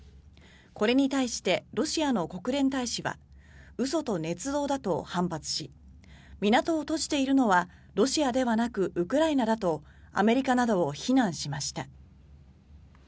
これに対してロシアの国連大使は嘘とねつ造だと反発し港を閉じているのはロシアではなくウクライナだとアメリカなどを非難しました。